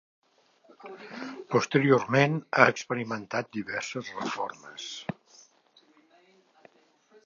Posteriorment ha experimentat diverses reformes.